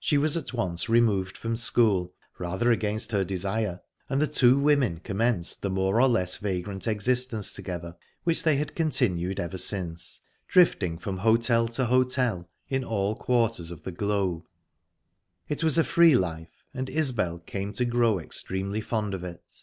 She was at once removed from school rather against her desire and the two women commenced the more or less vagrant existence together, which they had continued ever since, drifting from hotel to hotel in all quarters of the globe. It was a free life, and Isbel came to grow extremely fond of it.